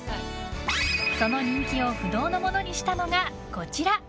その人気を不動のものにしたのがこちら。